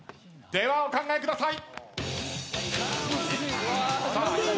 では、お考えください。